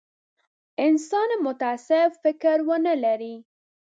انسان متعصب فکر ونه لري.